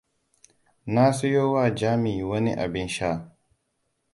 Na siyo wa Jami wani abin sha.